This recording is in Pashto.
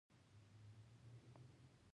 او نه ډوډۍ.